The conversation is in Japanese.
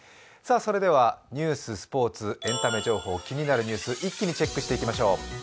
それではニュース、スポーツ、エンタメ情報、気になるニュース、一気にチェックしていきましょう。